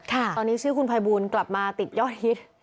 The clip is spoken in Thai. ตอนนี้ชื่อคุณภัยบูลกลับมาติดยอดฮิต